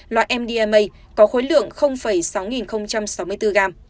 loại mdma có khối lượng sáu mươi bốn gram